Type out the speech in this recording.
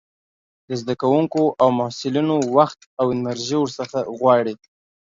د زده کوونکو او محصلينو وخت او انرژي ورڅخه غواړي.